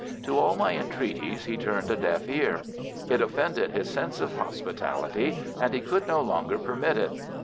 To all my entreaties he turned a deaf ear. It offended his sense of hospitality, and he could no longer permit it.